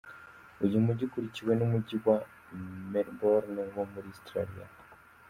Uyu mugi, Ukurikiwe n’umujyi wa Melbourne wo muri Australia.